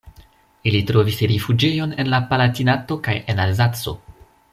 Ili trovis rifuĝejon en la Palatinato kaj en Alzaco.